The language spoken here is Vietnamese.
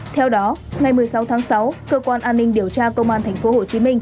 theo đó ngày một mươi sáu tháng sáu cơ quan an ninh điều tra công an tp hcm